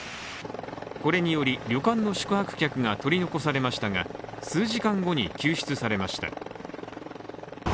これにより旅館の宿泊客が取り残されましたが数時間後に救出されました。